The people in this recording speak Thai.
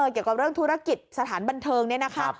เกี่ยวกับเรื่องธุรกิจสถานบันเทิงเนี่ยนะคะ